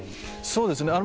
そうですね。